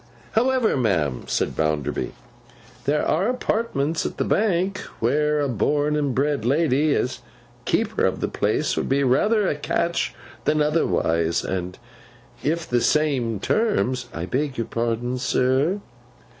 'However, ma'am,' said Bounderby, 'there are apartments at the Bank, where a born and bred lady, as keeper of the place, would be rather a catch than otherwise; and if the same terms—' 'I beg your pardon, sir.